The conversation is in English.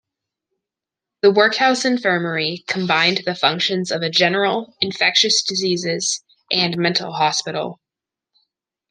The workhouse infirmary combined the functions of a general, infectious diseases, and mental hospital.